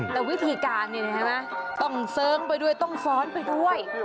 แต่วิธีการนี่ใช่ไหมต้องเสิร์งไปด้วยต้องฟ้อนไปด้วย